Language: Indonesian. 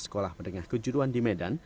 tiga belas sekolah berdengah kejuruan di medan